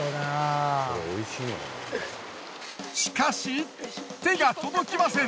しかし手が届きません！